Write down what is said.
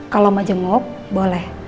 kalau majemuk boleh